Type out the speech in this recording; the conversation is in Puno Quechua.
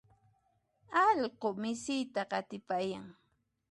allqu misita qatipayan.